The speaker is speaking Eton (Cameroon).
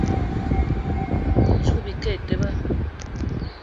Zouga bike e teba.